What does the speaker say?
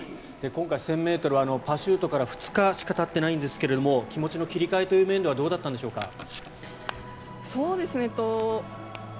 今回１０００ｍはパシュートから２日しかたっていないんですが気持ちの切り替えという面ではどうだったんでしょうか。